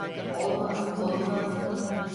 Olmaz, olmaz!